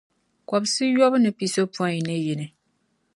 kobisiyɔbu ni pisopɔin ni yini.